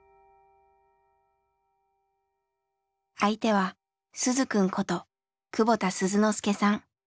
相手は鈴くんこと久保田鈴之介さん。